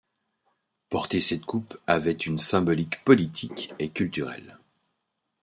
Porter cette coupe avait une symbolique politique et culturel.